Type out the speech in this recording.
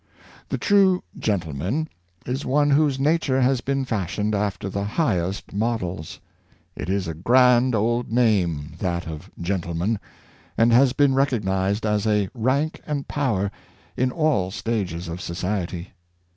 The true gentleman is one whose nature has been fashioned after the highest models. It is a grand old name, that of gentleman, and has been recognized as a rank and power in all stages of society.